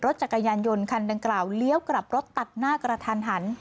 จักรยานยนต์คันดังกล่าวเลี้ยวกลับรถตัดหน้ากระทันหัน